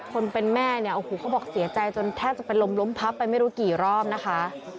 คนเป็นแม่เนี่ยโอ้โหเขาบอกเสียใจจนแทบจะเป็นลมล้มพับไปไม่รู้กี่รอบนะคะ